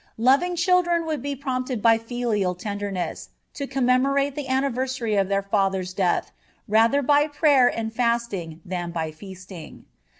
Loving children would be prompted by filial tenderness to commemorate the anniversary of their father's death rather by prayer and fasting than by feasting.